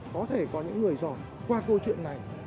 có thể có những người giỏi qua câu chuyện này